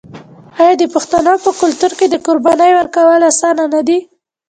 آیا د پښتنو په کلتور کې د قربانۍ ورکول اسانه نه دي؟